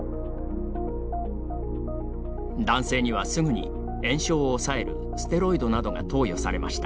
男性にはすぐに、炎症を抑えるステロイドなどが投与されました。